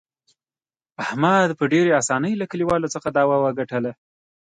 احمد په ډېر اسانۍ له کلیوالو څخه دعوه وګټله.